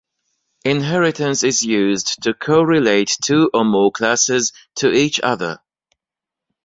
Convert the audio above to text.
Inheritance is used to co-relate two or more classes to each other.